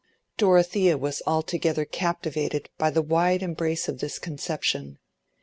Dorothea was altogether captivated by the wide embrace of this conception.